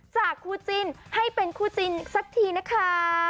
จากคู่จิ้นให้เป็นคู่จินสักทีนะคะ